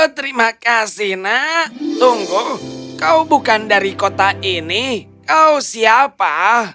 terima kasih nak tunggu kau bukan dari kota ini kau siapa